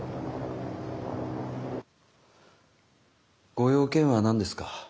ご用件は何ですか？